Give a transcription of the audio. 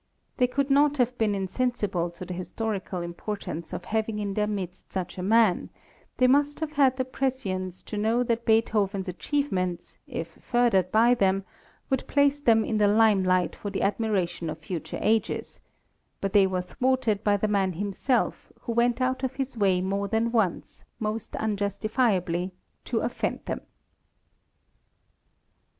They could not have been insensible to the historical importance of having in their midst such a man; they must have had the prescience to know that Beethoven's achievements, if furthered by them, would place them in the lime light for the admiration of future ages; but they were thwarted by the man himself, who went out of his way more than once, most unjustifiably, to offend them.